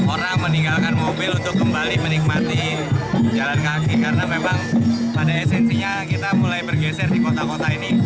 orang meninggalkan mobil untuk kembali menikmati jalan kaki karena memang pada esensinya kita mulai bergeser di kota kota ini